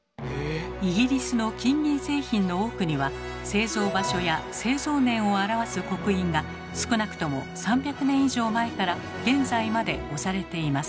イギリスの金銀製品の多くには製造場所や製造年を表す刻印が少なくとも３００年以上前から現在まで押されています。